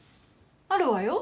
あるわよ。